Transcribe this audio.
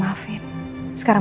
mama sudah senang